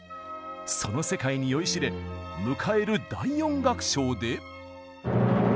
その世界に酔いしれ迎える第４楽章で。